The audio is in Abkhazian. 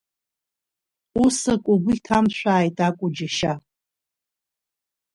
Ус акы угәы иҭамшәааит, акәу џьашьа!